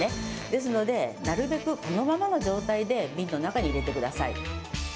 ですので、なるべくこのままの状態で瓶の中に入れてください。